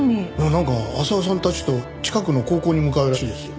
なんか浅輪さんたちと近くの高校に向かうらしいですよ。